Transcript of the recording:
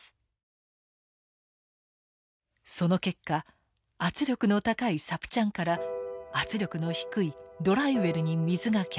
その結果圧力の高いサプチャンから圧力の低いドライウェルに水が逆流。